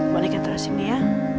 boleh katerin sini ya